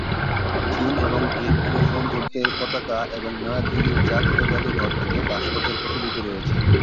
চীন এবং ভিয়েতনামের বন্ধুত্বের পতাকা এবং নয়াদিল্লির জাতীয় জাদুঘর থেকে ভাস্কর্যের প্রতিলিপি রয়েছে।